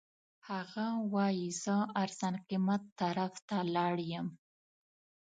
هغه وایي زه ارزان قیمت طرف ته لاړ یم.